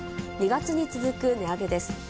２月に続く値上げです。